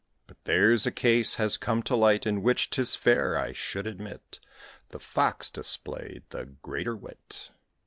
But there's a case has come to light, In which 'tis fair I should admit The Fox displayed the greater wit.